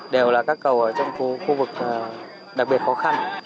đều là các cầu ở trong khu vực đặc biệt khó khăn